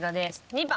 ２番。